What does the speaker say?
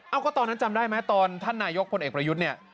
ก็ตอนนั้นจำได้ไหมตอนท่านนายกพลเอกประยุทธ์เนี่ย